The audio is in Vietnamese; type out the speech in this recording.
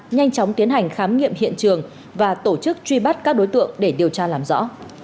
nhanh chóng tiến hành khám nghiệm hiện trường và tổ chức truy bắt các đối tượng để điều tra làm rõ